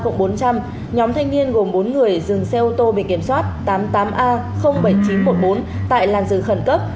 nhóm thanh niên gồm bốn người dừng xe ô tô bị kiểm soát tám mươi tám a bảy nghìn chín trăm một mươi bốn tại làn rừng khẩn cấp